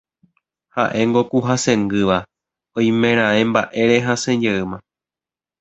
Ha'éngo ku hesangýva oimeraẽ mba'ére hasẽjeýma